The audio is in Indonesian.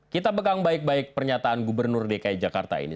kita pegang baik baik pernyataan gubernur dki jakarta ini